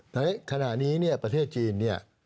แต่ขณะนี้ประเทศจีน